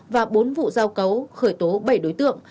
và bốn vụ giao cấu khởi tố bảy đối tượng